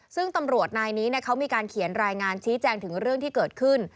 ซึ่งตำรวจนายนี้เขามีการเขียนรายงานชี้แจงถึงเรื่องที่เกิดขึ้น